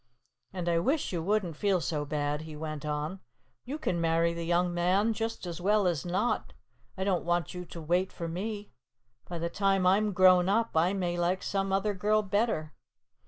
"And I wish you wouldn't feel so bad," he went on. "You can marry the young man just as well as not. I don't want you to wait for me. By the time I'm grown up, I may like some other girl better.